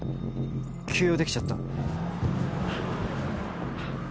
急用できちゃった」